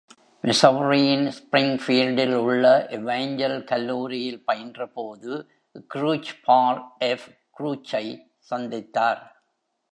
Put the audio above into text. மிசௌரியின் ஸ்பிரிங்ஃபீல்டில் உள்ள எவாஞ்சல் கல்லூரியில் பயின்றபோது, க்ரூச் பால் எஃப். க்ரூச்சை சந்தித்தார்.